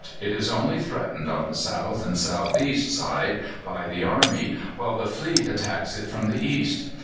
It is only threatened on the south and south east side by the army, while the fleet attacks it from the east.